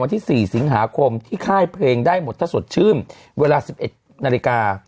ที่๔สิงหาคมที่ค่ายเพลงได้หมดถ้าสดชื่นเวลา๑๑นาฬิกา